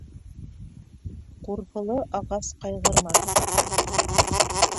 Ҡурпылы ағас ҡайғырмаҫ.